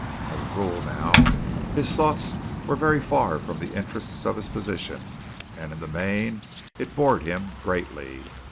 As a rule now, his thoughts were very far from the interests of his position, and in the main it bored him greatly.